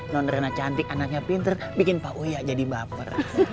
non rena cantik anaknya pinter bikin pak uya jadi baper